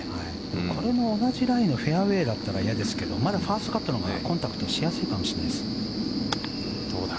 これも同じライのフェアウェーだったら嫌ですけどまだファーストカットのほうがコンタクトしやすいかもしれないです。